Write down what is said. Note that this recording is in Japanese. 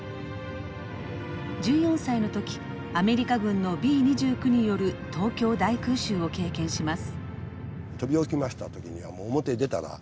１４歳の時アメリカ軍のＢ２９による東京大空襲を経験します。